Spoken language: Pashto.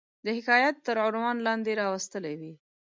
د حکایت تر عنوان لاندي را وستلې وي.